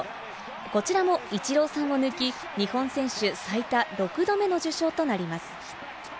こちらもイチローさんを抜き、日本選手最多６度目の受賞となります。